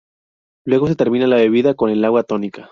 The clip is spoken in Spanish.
Luego, se termina la bebida con el agua tónica.